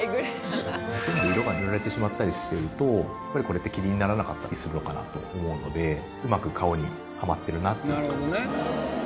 全部色が塗られてしまったりしてるとこれってキリンにならなかったりするのかなと思うので上手く顔にはまってるなっていう感じします。